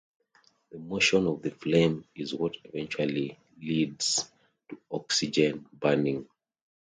The motion of the flame is what eventually leads to oxygen-burning.